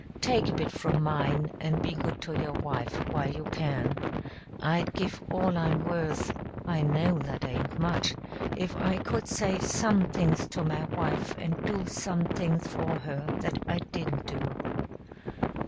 Take a bit from mine, and be good to your wife while you can. I'd give all I'm worth I know that aint much if I could say some things to my wife and do some things for her that I didn't do."